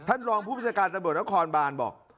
ท่านลองผู้พิจารการตำรวจนกคอร์นบานส์บอก